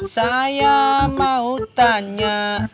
saya mau tanya